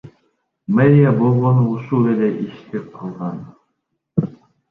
Мэрия болгону ушул эле ишти кылган.